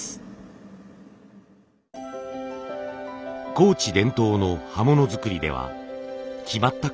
高知伝統の刃物作りでは決まった型を使いません。